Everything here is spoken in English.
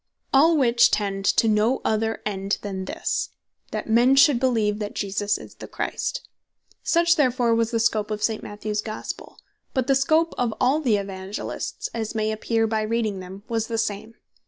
All which tend to no other end than this, that men should beleeve, that Jesus Is The Christ. Such therefore was the Scope of St. Matthews Gospel. But the Scope of all the Evangelists (as may appear by reading them) was the same.